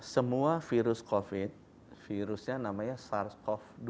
semua virus covid virusnya namanya sars cov dua